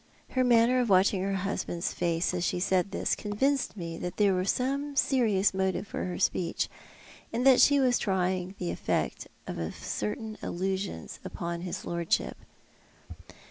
Her manner of watching her husband's face as she said this convinced me that there was some serious motive for her speech, and that she was trying the effect of certain allusions upon his Lordship.